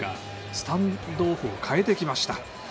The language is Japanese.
スタンドオフを代えてきました。